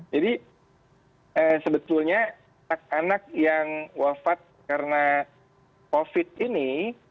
jadi sebetulnya anak yang wafat karena covid ini